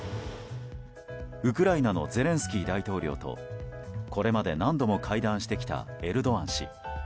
ウクライナのゼレンスキー大統領とこれまで何度も会談してきたエルドアン氏。